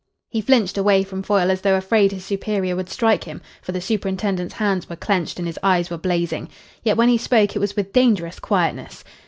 He flinched away from Foyle as though afraid his superior would strike him. For the superintendent's hands were clenched and his eyes were blazing. Yet when he spoke it was with dangerous quietness.